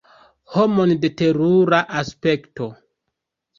Homon de terura aspekto!